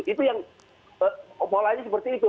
itu yang polanya seperti itu